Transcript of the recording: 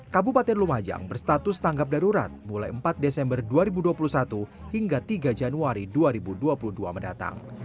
kabupaten lumajang berstatus tanggap darurat mulai empat desember dua ribu dua puluh satu hingga tiga januari dua ribu dua puluh dua mendatang